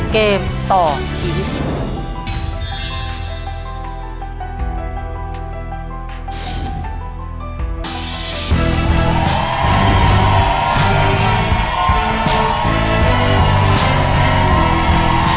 เกมต่อชีวิต